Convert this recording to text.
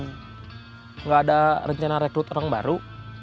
tidak ada rencana rekrut orang baru